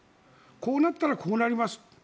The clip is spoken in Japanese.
こうなったらこうなりますと。